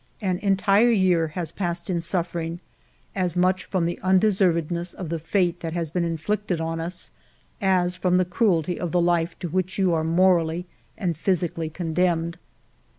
An entire year has passed in suffering, as much from the undeservedness of the fate that has been inflicted on us, as from the cruelty of the life to which you are morally and physically condemned."